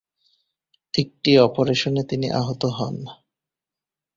একটি অপারেশনে তিনি আহত হন।